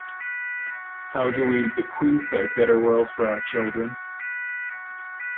How do we bequeath a better world for our children?